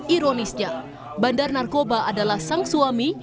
ironisnya bandar narkoba adalah sang suami